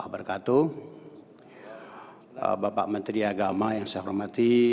pakistan dan ketua islam indonesia